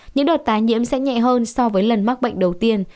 những đợt tái nhiễm sẽ nhẹ hơn so với lần mắc bệnh đầu tiên